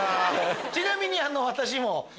ちなみに私も。